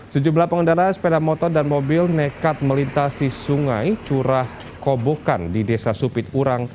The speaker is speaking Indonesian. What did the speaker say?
sejumlah pengendara sepeda motor dan mobil nekat melintasi sungai curah kobokan di desa supit urang